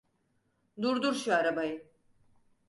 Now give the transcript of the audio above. Durdur şu arabayı!